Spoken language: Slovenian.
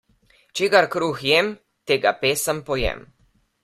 Čigar kruh jem, tega pesem pojem.